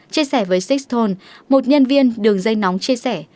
chia sẻ với sixhone một nhân viên đường dây nóng chia sẻ